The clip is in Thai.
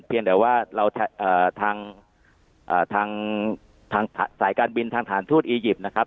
เพียงแต่ว่าเราทางสายการบินทางฐานทูตอียิปต์นะครับ